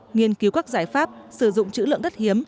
nghiên cứu các giải pháp sử dụng chữ lượng đất hiếm